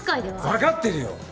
わかってるよ！